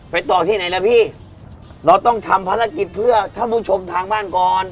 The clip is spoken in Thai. ต่อที่ไหนล่ะพี่เราต้องทำภารกิจเพื่อท่านผู้ชมทางบ้านก่อน